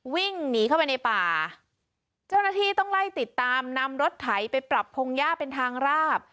วิ่งหนีเข้าไปในป่าเจ้าหน้าที่ต้องไล่ติดตามนำรถไถไปปรับพงหญ้าเป็นทางราบ